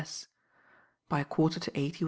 By . quarter to eight he wa.